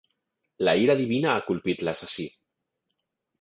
La ira divina ha colpit l'assassí.